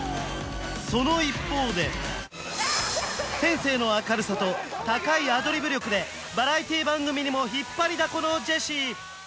その一方で天性の明るさと高いアドリブ力でバラエティー番組にも引っ張りだこのジェシー